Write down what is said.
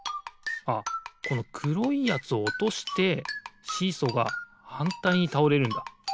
あっこのくろいやつをおとしてシーソーがはんたいにたおれるんだ。